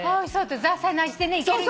ザーサイの味でいける。